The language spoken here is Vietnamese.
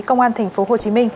công an tp hcm